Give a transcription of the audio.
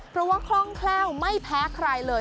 เพราะว่าคล่องแคล่วไม่แพ้ใครเลย